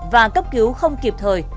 và cấp cứu không kịp thời